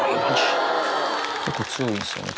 結構強いんですよね